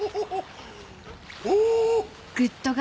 お。